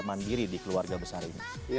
mandiri di keluarga besar ini